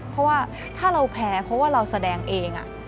เพราะว่าถ้าเราแพ้เพราะว่าเราแสดงเอง